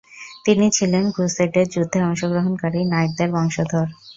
তিনি ছিলেন ক্রুসেডের যুদ্ধে অংশগ্রহণকারী নাইটদের বংশধর।